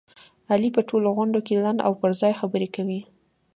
علي په ټولو غونډوکې لنډه او پرځای خبره کوي.